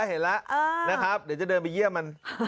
เห็นแล้วนะครับเดี๋ยวจะเดินไปเยี่ยมมัน